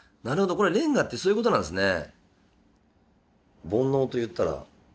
これ連歌ってそういうことなんですね。